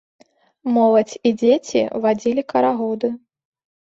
Моладзь і дзеці вадзілі карагоды.